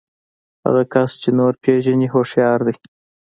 هغه کس چې نور پېژني هوښيار دی.